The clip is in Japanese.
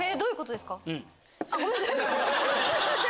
あっごめんなさい。